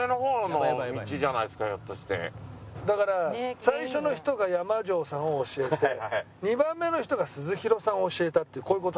だから最初の人が山上さんを教えて２番目の人が鈴廣さんを教えたってこういう事。